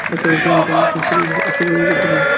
আচার-আচরণেও তেমন কোনো অস্বাভাবিকতা নেই।